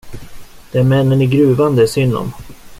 Det är männen i gruvan det är synd om.